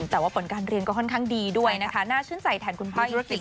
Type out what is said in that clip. แต่ว่าผลการเรียนก็ค่อนข้างดีด้วยนะคะน่าชื่นใจแทนคุณพ่อจริง